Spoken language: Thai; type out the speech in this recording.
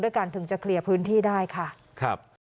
การถึงจะเคลียร์พื้นที่ได้ค่ะครับ